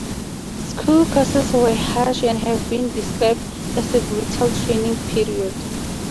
School courses were harsh and have been described as a "brutal training period".